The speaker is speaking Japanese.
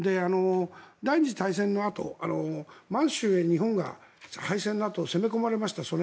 第２次大戦のあと満州へ日本が敗戦のあとソ連軍に攻め込まれました。